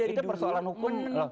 itu persoalan hukum